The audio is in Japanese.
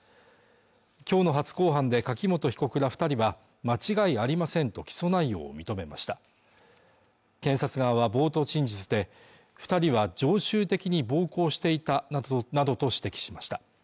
今日の初公判で柿本被告ら二人は間違いありませんと起訴内容を認めました検察側は冒頭陳述で二人は常習的に暴行していたなどと指摘しました